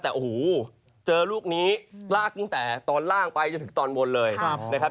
แต่โอ้โหเจอลูกนี้ลากตั้งแต่ตอนล่างไปจนถึงตอนบนเลยนะครับ